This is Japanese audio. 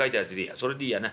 それでいいやな。